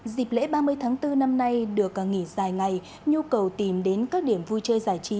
dịp lễ ba mươi tháng bốn năm nay được nghỉ dài ngày nhu cầu tìm đến các điểm vui chơi giải trí